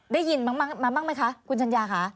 ได้ยินบ้างไหมคะคุณชัญญาคะ